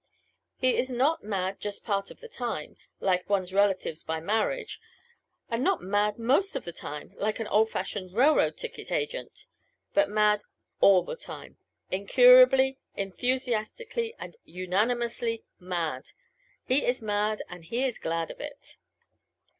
He is not mad just part of the time, like one's relatives by marriage and not mad most of the time, like the old fashioned railroad ticket agent but mad all the time incurably, enthusiastically and unanimously mad! He is mad and he is glad of it.